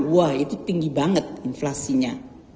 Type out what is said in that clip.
wah itu tinggi banget inflasinya